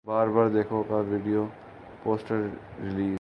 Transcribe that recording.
بار بار دیکھو کا video poster release